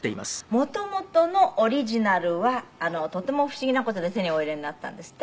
元々のオリジナルはとても不思議な事で手にお入れになったんですって？